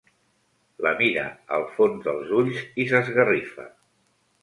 La mira al fons dels ulls i s'esgarrifa.